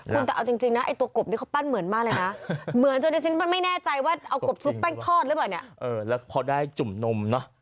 คุณแต่เอาจริงไอตัวกบนี้เขาปั้นเหมือนมากเลยนะ